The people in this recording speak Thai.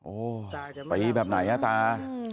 โอ้ตีแบบไหนอ่ะตา